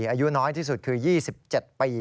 อายุน้อยที่สุดคือ๒๗ปี